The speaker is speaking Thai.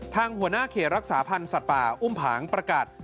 หัวหน้าเขตรักษาพันธ์สัตว์ป่าอุ้มผางประกาศ